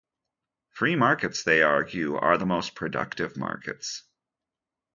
Free markets, they argue, are the most productive markets.